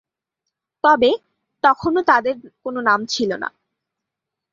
তবে তখনো তাদের কোন নাম ছিল না।